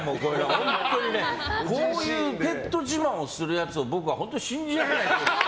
本当にね、こういうペット自慢をするやつを僕は本当に信じられなかった。